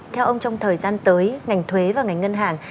theo ông trong thời gian tới ngành thuế và ngành ngân hàng